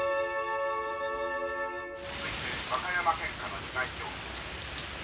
「続いて和歌山県下の被害状況」。